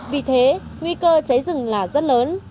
vì thế nguy cơ cháy rừng là rất lớn